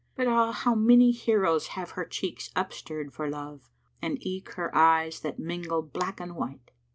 But ah, how many heroes have her cheeks * Upstirred for love, and eke her eyes that mingle black and white."